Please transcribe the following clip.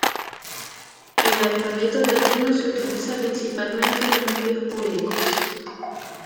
El alfabeto latino se utiliza principalmente en los medios públicos.